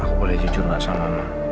aku boleh jujur gak sama